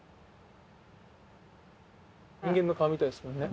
人間の顔みたいですもんね。